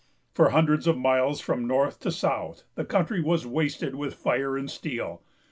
For hundreds of miles from north to south, the country was wasted with fire and steel.